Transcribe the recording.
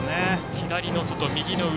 左の外、右の内。